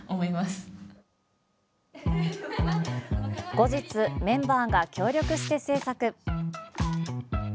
後日、メンバーが協力して制作。